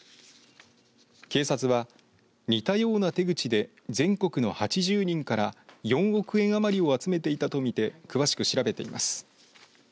警察は似たような手口で全国の８０人から４億円余りを集めたと見て詳しく調べています。